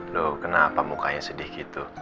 loh kenapa mukanya sedih gitu